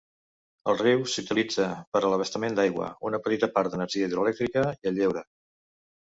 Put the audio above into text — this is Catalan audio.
El riu s'utilitza per a l'abastament d'aigua, una petita part d'energia hidroelèctrica i el lleure.